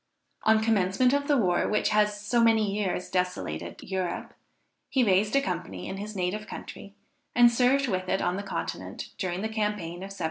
On commencement of the war which has so many years desolated Europe, he raised a company in his native country, and served with it on the Continent during the campaign of 1794.